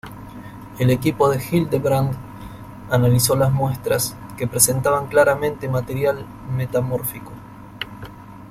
El equipo de Hildebrand analizó las muestras, que presentaban claramente material metamórfico.